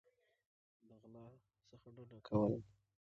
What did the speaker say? د غلا څخه ډډه کول